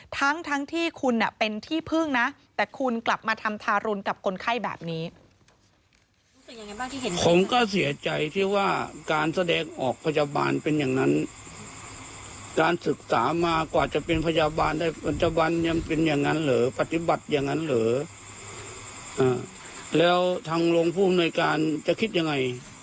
ทางโรงภูมิบริการจะคิดยังไง